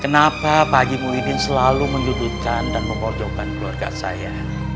kenapa pak haji mudin selalu menjudukan dan mengorjokkan keluarga saya